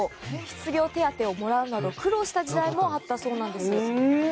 失業手当をもらうなど、苦労した時代もあったそうなんです。